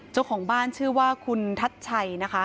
เจ้าของบ้านชื่อว่าคุณทัชชัยนะคะ